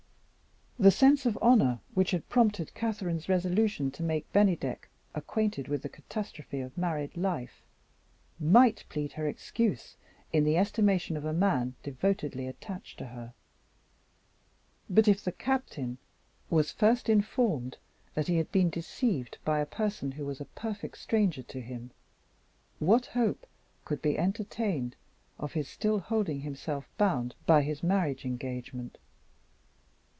The sense of honor which had prompted Catherine's resolution to make Bennydeck acquainted with the catastrophe of married life, might plead her excuse in the estimation of a man devotedly attached to her. But if the Captain was first informed that he had been deceived by a person who was a perfect stranger to him, what hope could be entertained of his still holding himself bound by his marriage engagement?